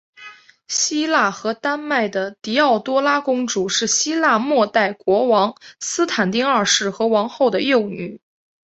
希腊和丹麦的狄奥多拉公主是希腊未代国王康斯坦丁二世和王后的幼女。